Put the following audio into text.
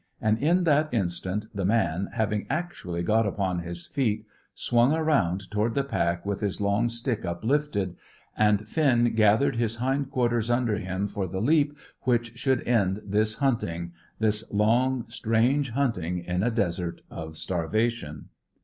And in that instant the man, having actually got upon his feet, swung round toward the pack with his long stick uplifted, and Finn gathered his hind quarters under him for the leap which should end this hunting this long, strange hunting in a desert of starvation.